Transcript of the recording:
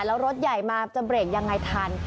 แล้วรถใหญ่มาจะเบรกยังไงทัน